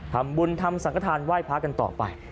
ทำบุญทำสังฆฐานไหว้พระกันต่อไป